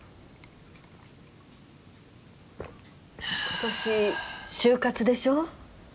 今年就活でしょう。